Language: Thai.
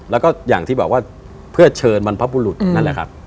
แล้วก็อย่างที่บอกว่าเพื่อเชิญบรรพบุรุษนั่นแหละครับ